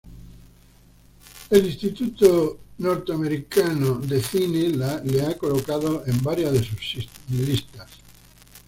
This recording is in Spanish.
El American Film Institute la ha colocado en varias de sus listas.